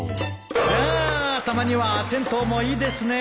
いやたまには銭湯もいいですね。